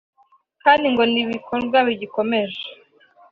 kandi ngo ni ibikorwa bigikomeje